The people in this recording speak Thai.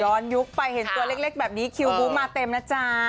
ยุคไปเห็นตัวเล็กแบบนี้คิวบู๊มาเต็มนะจ๊ะ